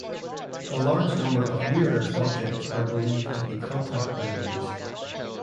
A large number of near-Earth objects are believed to be contact-binaries.